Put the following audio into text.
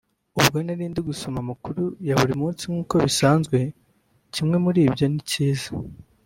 ubwo nari ndi gusoma amakuru ya buri munsi nk’uko bisanzwe; kimwe muri byo ni cyiza